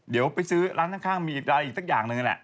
เดี๋ยวไปซื้อร้านข้างมีร้านอีกสักอย่างหนึ่ง